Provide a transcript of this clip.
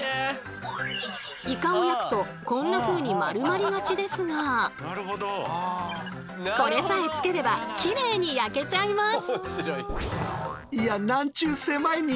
イカを焼くとこんなふうにこれさえつければきれいに焼けちゃいます。